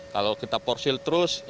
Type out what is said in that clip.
kalau kita porsil terus